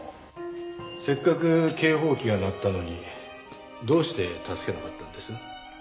せっかく警報器が鳴ったのにどうして助けなかったんです？